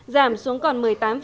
giảm xuống còn một mươi tám